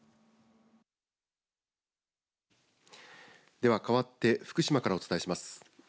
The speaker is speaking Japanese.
では、かわって福島からお伝えします。